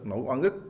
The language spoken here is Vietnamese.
nỗi oan ức